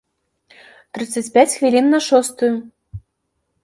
Трыццаць пяць хвілін на шостую.